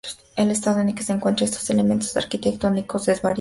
El estado en que se encuentran estos elementos arquitectónicos es variable.